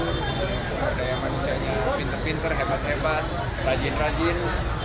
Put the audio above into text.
sumber daya manusianya pinter pinter hebat hebat rajin rajin